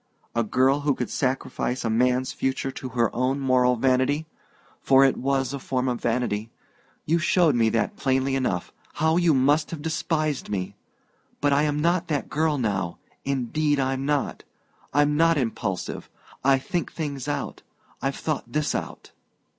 A girl who could sacrifice a man's future to her own moral vanity for it was a form of vanity; you showed me that plainly enough how you must have despised me! But I am not that girl now indeed I'm not. I'm not impulsive I think things out. I've thought this out.